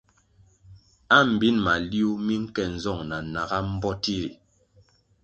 Ambin maliuh mi nke nzong na naga mbpoti ri.